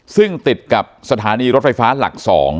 ซึ่งติดกับสถานีรถไฟฟ้าหลัก๒